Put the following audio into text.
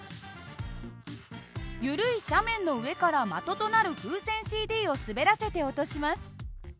緩い斜面の上から的となる風船ＣＤを滑らせて落とします。